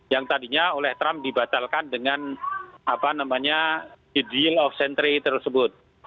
yang tadinya oleh trump dibatalkan dengan apa namanya ideal of century tersebut